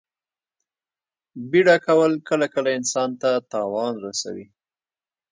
بیړه کول کله کله انسان ته تاوان رسوي.